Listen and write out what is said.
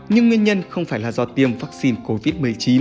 nhưng nguyên nhân không phải là do tiêm vaccine covid một mươi chín